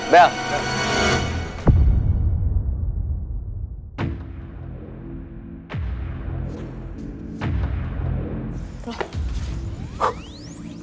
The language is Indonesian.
banyak banget tuh